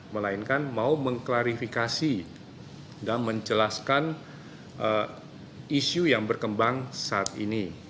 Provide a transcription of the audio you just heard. melainkan mau mengklarifikasi dan menjelaskan isu yang berkembang saat ini